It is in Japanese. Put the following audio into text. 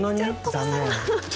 残念。